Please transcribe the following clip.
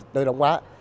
tự động hóa